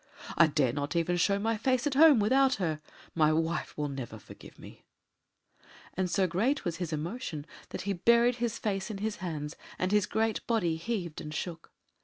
I dare not even show my face at home without her my wife will never forgive me "; and so great was his emotion that he buried his face in his hands, and his great body heaved and shook.